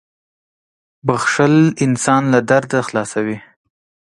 • بښل انسان له درده خلاصوي.